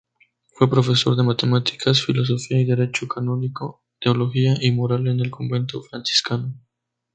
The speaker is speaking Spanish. Fue profesor de matemáticas, filosofía, derecho canónico, teología y moral en el Convento franciscano.